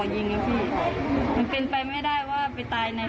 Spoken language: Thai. ยิงเลยสิ